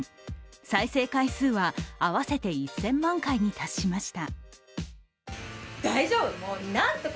再生回数は合わせて１０００万回に達しました。